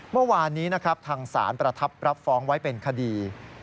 เมื่อวานนี้นะครับทางศาลประทับรับฟ้องไว้เป็นคดี